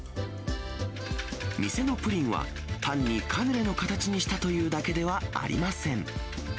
店のプリンは、単にカヌレの形にしたというだけではありません。